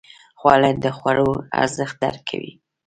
خوړل د خوړو ارزښت درک کوي